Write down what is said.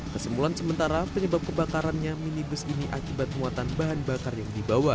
kesimpulan sementara penyebab kebakarannya minibus ini akibat muatan bahan bakar yang dibawa